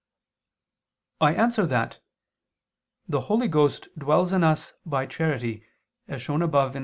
I answer that, The Holy Ghost dwells in us by charity, as shown above (A.